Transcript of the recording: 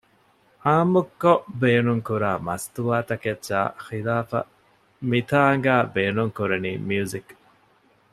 ޢާއްމުކޮށް ބޭނުންކުރާ މަސްތުވާ ތަކެއްޗާ ޚިލާފަށް މިތާނގައި ބޭނުން ކުރަނީ މިޔުޒިއް